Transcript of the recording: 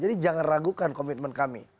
jadi jangan ragukan komitmen kami